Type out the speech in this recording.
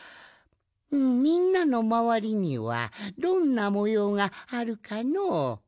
みんなのまわりにはどんなもようがあるかのう？